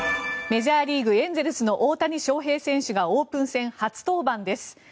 メジャーリーグ、エンゼルスの大谷翔平選手がオープン戦初登板です。